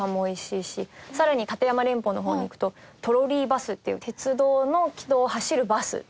更に立山連峰の方に行くとトロリーバスっていう鉄道の軌道を走るバス。